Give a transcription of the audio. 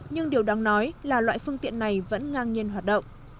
nhưng điều đáng nói là loại phương tiện này vẫn ngang nhiên hoạt động